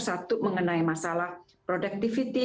satu mengenai masalah productivity